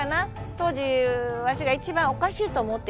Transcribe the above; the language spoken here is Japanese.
当時わしが一番おかしいと思っていたやつ。